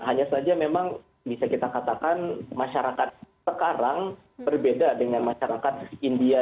hanya saja memang bisa kita katakan masyarakat sekarang berbeda dengan masyarakat india